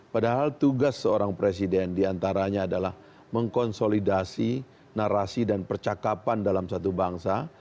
padahal tugas seorang presiden diantaranya adalah mengkonsolidasi narasi dan percakapan dalam satu bangsa